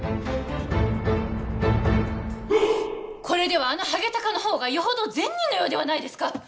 これではあのハゲタカのほうがよほど善人のようではないですか！